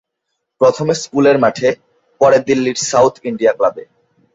প্রথমে স্কুলের মাঠে, পরে দিল্লির সাউথ ইন্ডিয়া ক্লাবে।